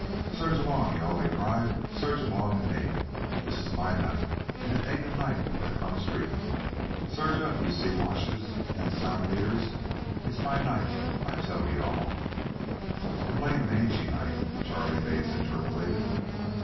"Surge along, you all" he cried. "Surge along and name it. This is my night, and it ain't a night that comes frequent. Surge up, you Siwashes and Salmon eaters. It's my night, I tell you all " "A blame mangy night," Charley Bates interpolated.